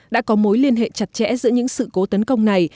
đã có mối liên hệ chặt chẽ giữa những sự cố tấn công này